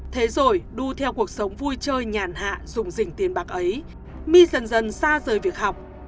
thế rồi đu theo cuộc sống vui chơi nhàn hạ dùng dình tiền bạc ấy my dần dần xa rời việc học